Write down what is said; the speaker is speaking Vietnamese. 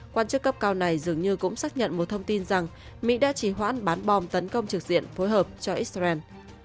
quan chức cấp cao này dường như cũng xác nhận một thông tin rằng mỹ đã chỉ hoãn bán bom tấn công trực diện phối hợp cho israel